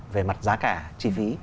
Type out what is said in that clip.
về mặt giá cả chi phí